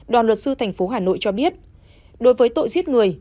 đoàn luật sư thành phố hà nội cho biết đối với tội giết người